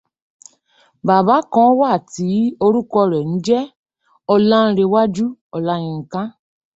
Bàbá kan wà tí orúkọ ẹ̀ ń jẹ́ Ọlánrewájú Ọláyínká.